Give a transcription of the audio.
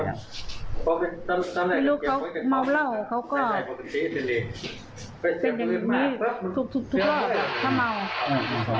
พี่ลูกเขาเมาเหล้าเขาก็เป็นอย่างนี้ทุกทั่วแบบถ้าเมา